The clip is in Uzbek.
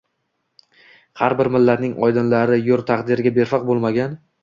Har bir millatning oydinlari – yurt taqdiriga befarq bo‘lmagan